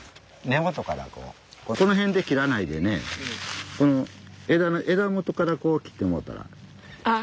根元からこうこの辺で切らないでねこの枝の枝元から切ってもろうたら。